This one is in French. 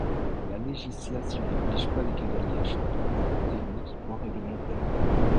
La législation n’oblige pas les cavaliers à cheval à porter un équipement réglementaire.